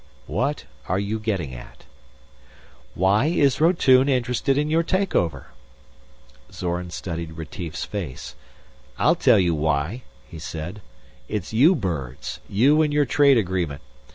"What are you getting at?" "Why is Rotune interested in your take over?" Zorn studied Retief's face. "I'll tell you why," he said. "It's you birds. You and your trade agreement.